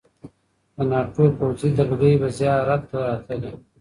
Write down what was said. د ناټو پوځي دلګۍ به زیارت ته راتللې.